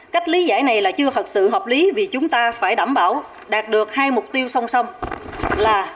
cách lý giải này là chưa thật sự hợp lý vì chúng ta phải đảm bảo đạt được hai mục tiêu song song là